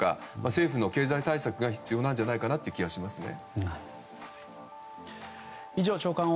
政府の経済対策が必要なんじゃないかという気がしますね。